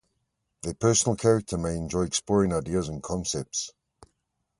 Their personal character may enjoy exploring ideas and concepts.